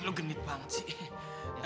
lo genit banget sih